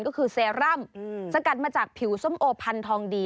ก็คือเซรั่มสกัดมาจากผิวส้มโอพันธองดี